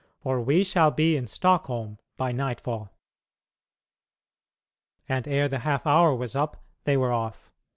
For we shall be in Stockholm by nightfall." And ere the half hour was up they were off.